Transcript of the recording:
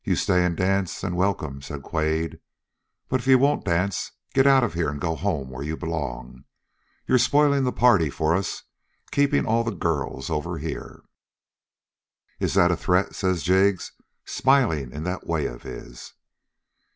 "'You stay an' dance an' welcome,' says Quade, 'but if you won't dance, get out of here and go home where you belong. You're spoiling the party for us, keeping all the girls over here.' "'Is that a threat?' says Jig, smiling in that way of his.